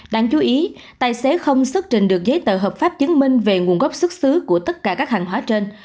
đáng chú ý tài xế không xuất trình được giấy tờ hợp pháp chứng minh về nguồn gốc xuất xứ của tất cả các hàng hóa trên